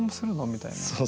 みたいな。